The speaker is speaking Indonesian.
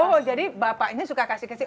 oh jadi bapaknya suka kasih kesip